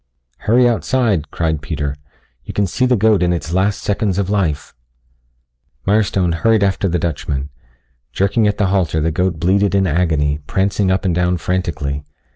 "Hurry outside," cried Peter. "You can see the goat in its last seconds of life." Mirestone hurried after the Dutchman. Jerking at the halter the goat bleated in agony, prancing up and down frantically.